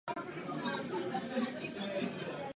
Také byl povýšen do hodnosti brigádního generála.